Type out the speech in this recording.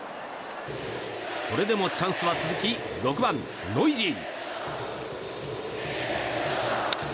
それでもチャンスは続き６番、ノイジー。